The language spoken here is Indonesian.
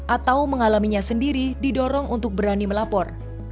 atau mengalaminya sendiri didorong untuk berani melapor